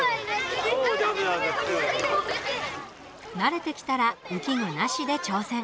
慣れてきたら浮き具なしで挑戦。